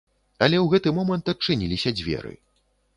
Але ў гэты момант адчыніліся дзверы.